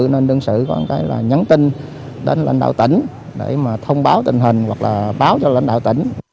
nên đương sự có nhắn tin đến lãnh đạo tỉnh để thông báo tình hình hoặc báo cho lãnh đạo tỉnh